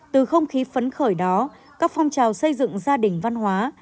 từ không khí phấn khởi đó các phong trào xây dựng gia đình văn hóa